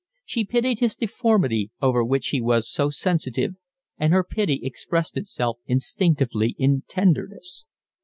She pitied his deformity, over which he was so sensitive, and her pity expressed itself instinctively in tenderness.